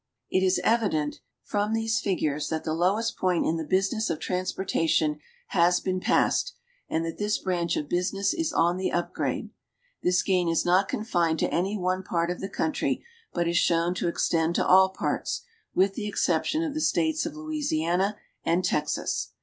It is evident from these tigures that the lowest point in the business of transportation has been passed, and that this branch of business is on the upgrade. This gain is not confined to any one part of the country, but is shown to extend to all parts, with the exception of the states of Louisiana and Texas.